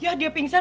ya dia pingsan